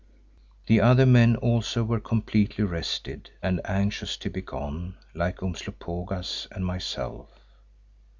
The other men also were completely rested and anxious to be gone like Umslopogaas and myself.